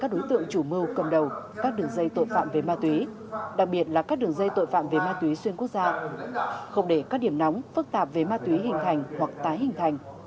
các đối tượng chủ mưu cầm đầu các đường dây tội phạm về ma túy đặc biệt là các đường dây tội phạm về ma túy xuyên quốc gia không để các điểm nóng phức tạp về ma túy hình thành hoặc tái hình thành